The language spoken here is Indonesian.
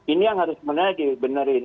ini yang harus sebenarnya dibenerin